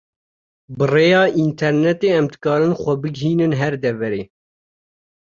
Bi rêya internêtê em dikarin xwe bigihînin her deverê.